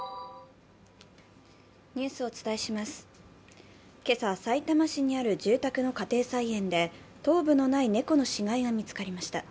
そうやな今朝、さいたま市にある住宅の家庭菜園で、頭部のない猫の死骸が見つかりました。